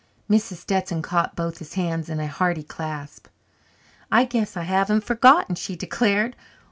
Mrs. Stetson caught both his hands in a hearty clasp. "I guess I haven't forgotten!" she declared.